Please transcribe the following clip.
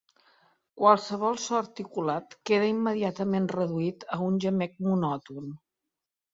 Qualsevol so articulat queda immediatament reduït a un gemec monòton.